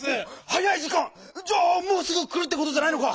はやいじかん⁉じゃあもうすぐくるってことじゃないのか！